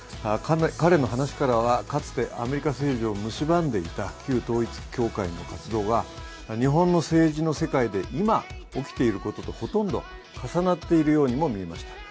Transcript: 彼の話からはかつてアメリカｐｅｄ＠ヲむしんばんでいた旧統一教会の活動が、日本の政治の世界で今、起きていることとほとんど重なっているようにも見えました。